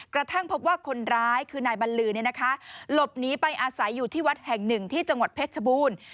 กระทั่งพบว่าคนร้ายคือนายบรรลือหลบหนีไปอาศัยอยู่ที่วัดแห่งหนึ่งที่จังหวัดเพชรชบูรณ์